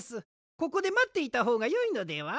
ここでまっていたほうがよいのでは？